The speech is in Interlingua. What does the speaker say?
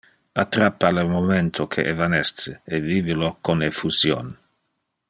Attrappa le momento que evanesce e vive lo con effusion.